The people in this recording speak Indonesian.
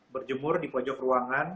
berjemur di pojok ruangan